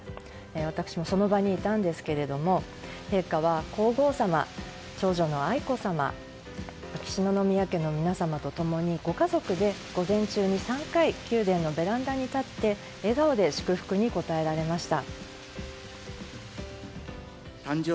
私もその場にいたんですが陛下は皇后さま、長女の愛子さま秋篠宮家の皆様と共に、ご家族で午前中に３回宮殿のベランダに立って笑顔で祝福に応えられました。